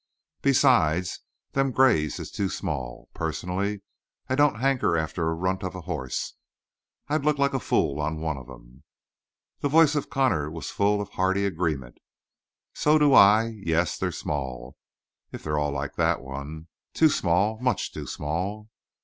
"Besides, them grays is too small. Personally, I don't hanker after a runt of a hoss. I look like a fool on one of em." The voice of Connor was full of hearty agreement. "So do I. Yes, they're small, if they're all like that one. Too small. Much too small."